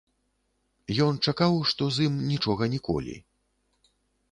Ён чакаў, што з ім нічога ніколі.